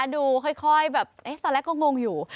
ดูค่อยแบบตอนแรกก็งงอยู่